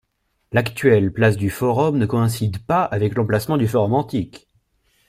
L'actuelle place du Forum ne coïncide pas avec l'emplacement du forum antique.